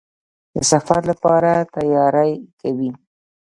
د سفر لپاره تیاری کوئ؟